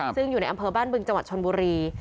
ซึ่งอยู่ในอำเภอบ้านบึงจังหวัดชนบุรี